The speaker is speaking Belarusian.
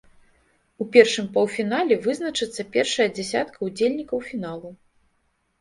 У першым паўфінале вызначыцца першая дзясятка ўдзельнікаў фіналу.